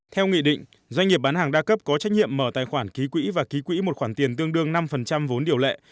theo nghị định doanh nghiệp bán hàng đa cấp có trách nhiệm mở tài khoản ký quỹ và ký quỹ một khoản tiền tương đương năm vốn điều lệ